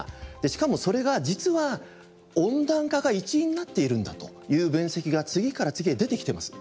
しかもそれが実は温暖化が一因になっているんだという分析が次から次へ出てきてます。